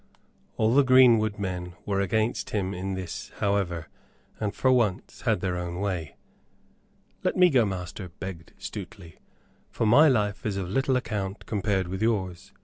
All the greenwood men were against him in this, however, and for once had their own way. "Let me go, Master," begged Stuteley; "for my life is of little account compared with yours."